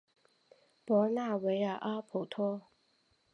博纳维尔阿普托。